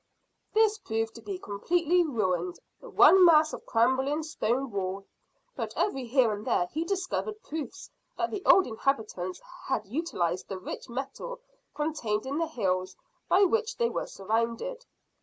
"This proved to be completely ruined, one mass of crumbling stone wall; but every here and there he discovered proofs that the old inhabitants had utilised the rich metal contained in the hills by which they were surrounded.